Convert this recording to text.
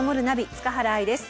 塚原愛です。